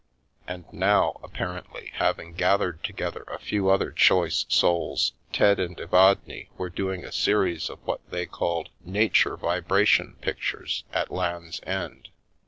And now, apparently, having gathered together a few other choice souls, Ted and Evadne were doing a series of what they called " Nature Vibration " pictures at Land's End.